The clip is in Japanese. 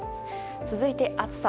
続いて暑さ。